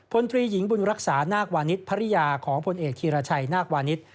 พลตรีหญิงบุญรักษานาควานิสภรรยาของพลเอกธีรชัยนาควานิส